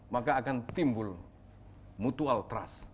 maka akan timbul mutual trust